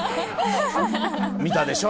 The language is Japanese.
見たでしょ？